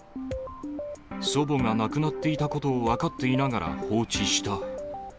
祖母が亡くなっていたことを分かっていながら放置した。